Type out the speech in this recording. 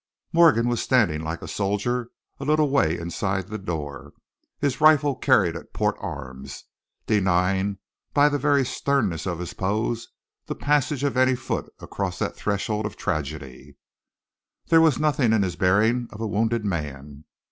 Morgan was standing like a soldier a little way inside the door, his rifle carried at port arms, denying by the very sternness of his pose the passage of any foot across that threshold of tragedy. There was nothing in his bearing of a wounded man.